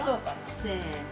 せの。